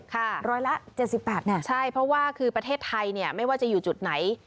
ค่ะใช่เพราะว่าคือประเทศไทยไม่ว่าจะอยู่จุดไหน